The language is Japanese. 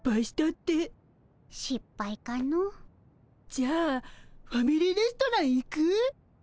じゃあファミリーレストラン行く？